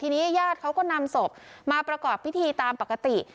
ทีนี้ญาติเขาก็นำศพมาประกอบพิธีตามปกติ